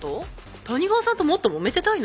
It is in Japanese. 谷川さんともっともめてたいの？